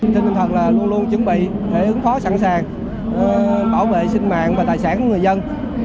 chính thần là luôn luôn chuẩn bị thể ứng phó sẵn sàng bảo vệ sinh mạng và tài sản của người dân